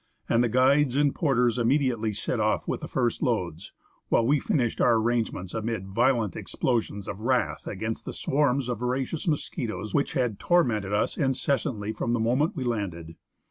and the guides and porters immediately set off with the first loads, while we finished our arrangements amid violent explosions of wrath against the swarms of voracious mosquitoes which had tormented us inces santly from the moment we landed.